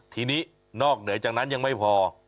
ทีนี้นอกเหนือจากนั้นยังไม่พอ